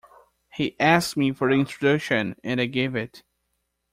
He asked me for the introduction, and I gave it.